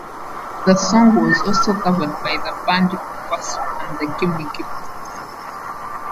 The song was also covered by the band Me First and the Gimme Gimmes.